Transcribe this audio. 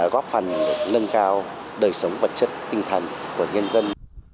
góp phần nâng cao đời sống vật chất tinh thần của nhân dân